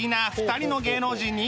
２人の芸能人に